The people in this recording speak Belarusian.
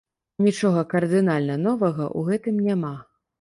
Нічога кардынальна новага ў гэтым няма.